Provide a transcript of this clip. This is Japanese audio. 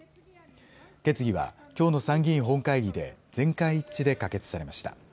決議は、きょうの参議院本会議で全会一致で可決されました。